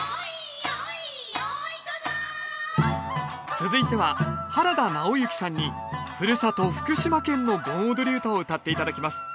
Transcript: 続いては原田直之さんにふるさと福島県の盆踊り唄をうたって頂きます。